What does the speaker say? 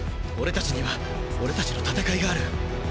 俺たちには俺たちの戦いがある！